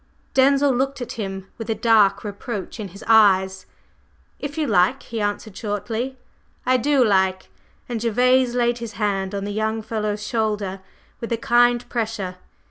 Denzil looked at him with a dark reproach in his eyes. "If you like," he answered shortly. "I do like!" and Gervase laid his hand on the young fellow's shoulder with a kind pressure.